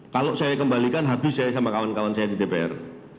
kalau saya kembalikan habis saya sama kawan kawan saya di dpr